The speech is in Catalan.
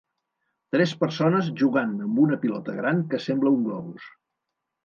Tres persones jugant amb una pilota gran que sembla un globus.